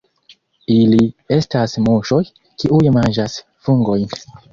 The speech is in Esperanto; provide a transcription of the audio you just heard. Ili estas muŝoj, kiuj manĝas fungojn.